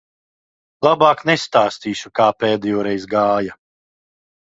Labāk nestāstīšu, kā pēdējoreiz gāja.